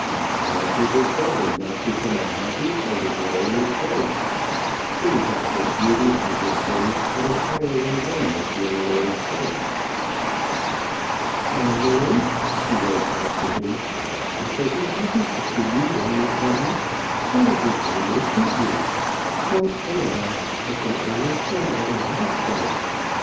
Why should his daughter not become a happy and a glorious wife, seeing that her beauty and her grace had entirely won this young lord's heart? "MY LORD," she wrote back to him, "I shall be happy to see you when you come, whatever day may suit you. But, alas! I can only say what I have said.